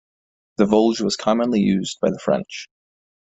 The voulge was commonly used by the French.